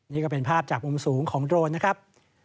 นี่ก็เป็นภาพจากมุมสูงของโดรนนะครับ